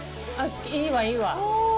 いいわ、いいわ。